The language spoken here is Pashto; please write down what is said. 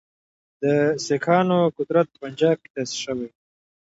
د سیکهانو قدرت په پنجاب کې تاسیس شوی وو.